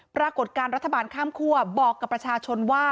ปรากฏการณ์รัฐบาลข้ามคั่วบอกกับประชาชนว่า